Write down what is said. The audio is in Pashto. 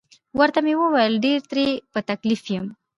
ورته مې وویل: ډیر ترې په تکلیف یم.